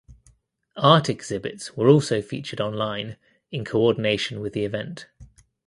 Art exhibits were also featured online in coordination with the event.